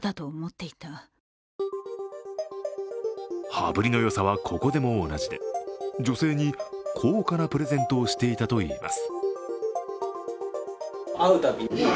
羽振りの良さは、ここでも同じで女性に高価なプレゼントをしていたといいます。